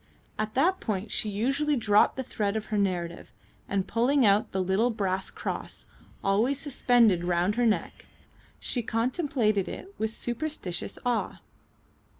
At that point she usually dropped the thread of her narrative, and pulling out the little brass cross, always suspended round her neck, she contemplated it with superstitious awe.